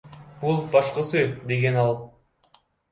Бул башкысы, — деген ал.